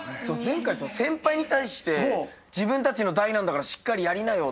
前回先輩に対して「自分たちの代なんだからしっかりやりなよ」